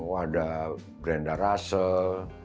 wah ada brenda russell